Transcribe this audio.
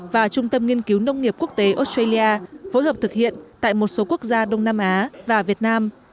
và trung tâm nghiên cứu nông nghiệp quốc tế australia phối hợp thực hiện tại một số quốc gia đông nam á và việt nam